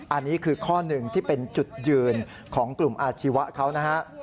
อันนี้คือข้อหนึ่งที่เป็นจุดยืนของกลุ่มอาชีวะเขานะฮะ